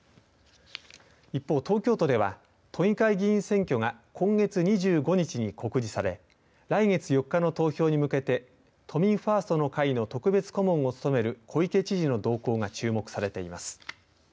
一方、東京都では都議会議員選挙が今月２５日に告示され来月４日の投票に向けて都民ファーストの会の特別顧問を務める小池知事の動向が注目されています。